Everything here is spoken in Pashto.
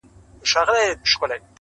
ته څه رقم یې